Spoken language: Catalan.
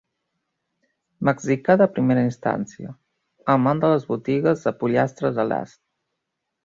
Mexicà de primera instància, amant de les botigues de pollastres a l'ast.